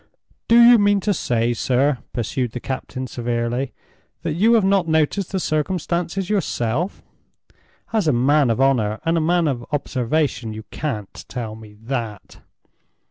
"Do you mean to say, sir," pursued the captain, severely, "that you have not noticed the circumstance yourself? As a man of honor and a man of observation, you can't tell me that!